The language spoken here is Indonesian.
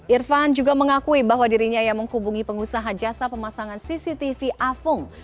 irfan juga mengakui bahwa dirinya yang menghubungi pengusaha jasa pemasangan cctv afung